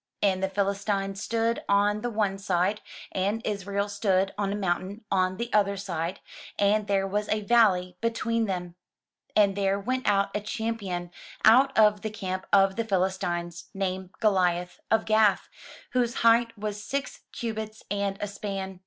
And the Philistines stood on the one side, and Israel stood on a mountain on the other side, and there was a valley between them. And there went out a champion out of the camp of the Philis tines, named Goliath, of Gath, whose height was six cubits and a span.